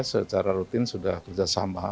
secara rutin sudah kerjasama